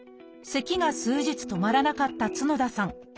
せきが数日止まらなかった角田さん。